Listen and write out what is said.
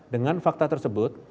dengan fakta tersebut